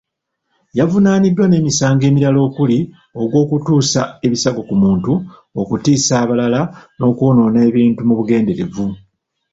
Yavunaaniddwa n'emisango emirala okuli; ogw'okutuusa ebisago ku muntu, okutiisa abalala n'okwonoona ebintu mu bugenderevu.